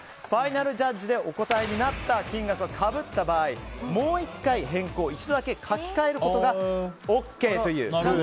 ファイナルジャッジでお答えになった金額がかぶった場合もう１回、一度だけ書き換えることがＯＫという。